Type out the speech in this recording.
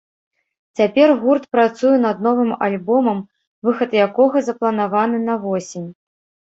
Цяпер гурт працуе над новым альбомам, выхад якога запланаваны на восень.